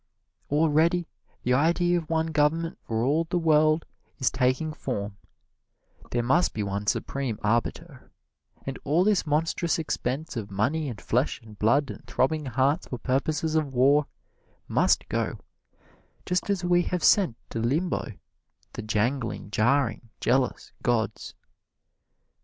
Already the idea of one government for all the world is taking form there must be one Supreme Arbiter, and all this monstrous expense of money and flesh and blood and throbbing hearts for purposes of war, must go, just as we have sent to limbo the jangling, jarring, jealous gods.